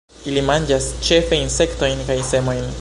Ili manĝas ĉefe insektojn kaj semojn.